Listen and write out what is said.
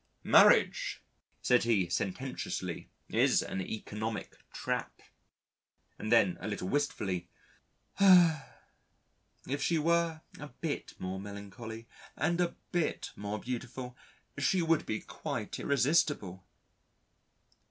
"Marriage," said he sententiously, "is an economic trap." And then, a little wistfully: "If she were a bit more melancholy and a bit more beautiful she would be quite irresistible."